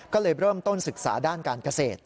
ก็เลยเริ่มต้นศึกษาด้านการเกษตร